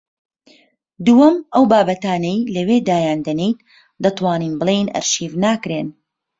دووەم: ئەو بابەتانەی لەوێ دایان دەنێیت دەتوانین بڵێین ئەرشیف ناکرێن